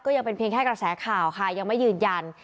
ยังเป็นเพียงแค่กระแสข่าวค่ะยังไม่ยืนยัน